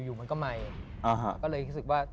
ซึ่งหลายคนเนี่ยนะครับ